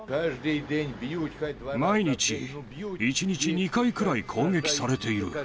毎日、１日２回くらい攻撃されている。